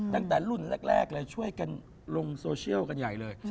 ตั้งแต่รุ่นแรกเลยช่วยกันลงโซเชียลกันใหญ่เลย